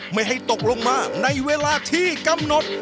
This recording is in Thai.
ไม่ให้ตกลงมาในเวลาที่กำหนด